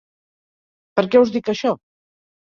Per què us dic això?